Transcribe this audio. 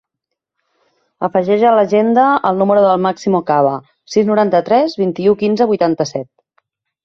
Afegeix a l'agenda el número del Máximo Caba: sis, noranta-tres, vint-i-u, quinze, vuitanta-set.